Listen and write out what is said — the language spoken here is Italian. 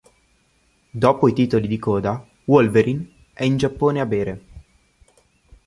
Dopo i titoli di coda Wolverine è in Giappone a bere.